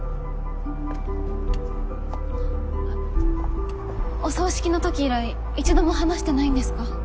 あっお葬式のとき以来１度も話してないんですか？